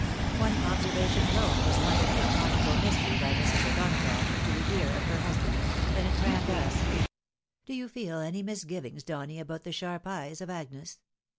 One observation alone was muttered with conjugal mystery by Mrs. O'Donagough, into the ear of her husband ; and it ran thus :—" Do you feel any misgivings, Donny, about the sharp eyes of Agnes